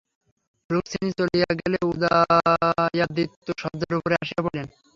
রুক্মিণী চলিয়া গেলে উদয়াদিত্য শয্যার উপরে আসিয়া পড়িলেন।